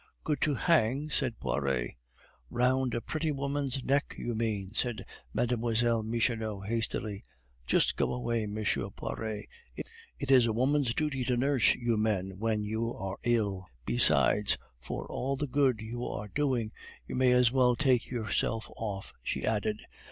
"Good to hang," said Poiret. "Round a pretty woman's neck, you mean," said Mlle Michonneau, hastily. "Just go away, M. Poiret. It is a woman's duty to nurse you men when you are ill. Besides, for all the good you are doing, you may as well take yourself off," she added.